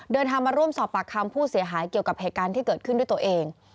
เดินทางมาร่วมสอบปากคำผู้เสียหายเกี่ยวกับเหตุการณ์ที่เกิดขึ้นด้วยตัวเอง